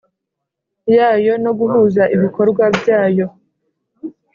yayo no guhuza ibikorwa byayo